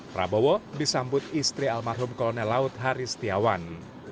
prabowo disambut istri almarhum kolonel laut haris tiawan